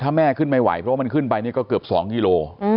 ถ้าแม่ขึ้นไม่ไหวเพราะมันขึ้นไปก็เกือบ๒ฮิโลเมตร